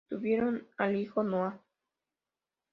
Tuvieron al hijo Noa.